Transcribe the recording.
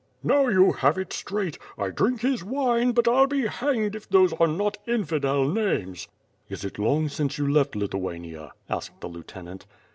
"Now you have it straight. I drink his wine, but FU be hanged if those are not infidel names." "Is it long since you left Lithuania?" asked the lieutenant.